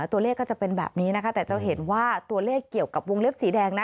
ตัวเลขก็จะเป็นแบบนี้นะคะแต่จะเห็นว่าตัวเลขเกี่ยวกับวงเล็บสีแดงนะ